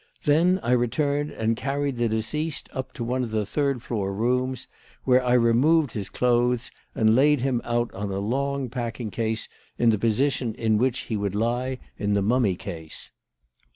Then I returned and carried the deceased up to one of the third floor rooms, where I removed his clothes and laid him out on a long packing case in the position in which he would lie in the mummy case.